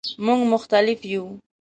مونږ مختلف یو